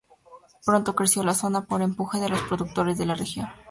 Pronto creció la zona por el empuje de los productores de la región.